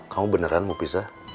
kamu beneran mau pisah